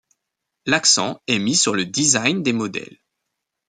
L’accent est mis sur le design des modèles.